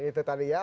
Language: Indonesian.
itu tadi ya